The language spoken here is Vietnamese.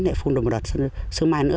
lại phun đồng ruộng